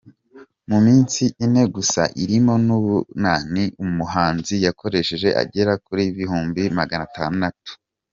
Mu minsi ine gusa irimo n’Ubunani umuhanzi yakoresheje agera ku bihumbi maganatanu